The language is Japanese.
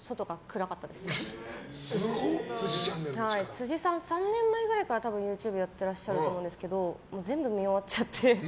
辻さん、３年ぐらい前からＹｏｕＴｕｂｅやってらっしゃると思うんですけど全部見終わっちゃって。